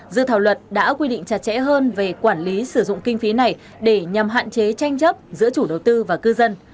dự thảo luật đã quy định chặt chẽ hơn về quản lý sử dụng kinh phí này để nhằm hạn chế tranh chấp giữa chủ đầu tư và cư dân